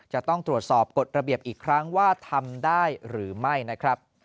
จะต้องตรวจสอบกฎระเบียบอีกครั้งว่าทำได้หรือไม่นะครับ